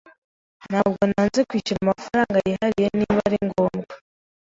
Ntabwo nanze kwishyura amafaranga yihariye niba ari ngombwa.